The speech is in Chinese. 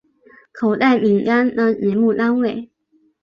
口袋饼干的节目单元。